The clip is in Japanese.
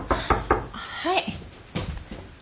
はい。